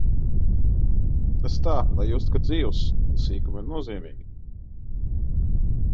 Tas tā, lai justu, ka dzīvs un sīkumi ir nozīmīgi?...